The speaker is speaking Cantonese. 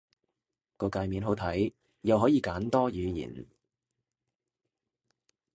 個介面好睇，又可以揀多語言